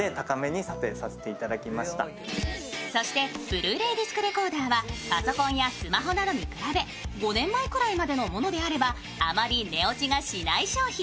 ブルーレイディスクレコーダーはパソコンなどに比べ５年前くらいのものであれば、あまり値落ちがしない商品。